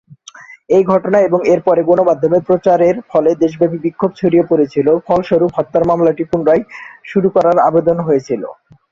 এই ঘটনা এবং এর পরে গণমাধ্যমে প্রচারের ফলে দেশব্যাপী বিক্ষোভ ছড়িয়ে পড়েছিল, ফলস্বরূপ হত্যার মামলাটি পুনরায় শুরু করার আবেদন হয়েছিল।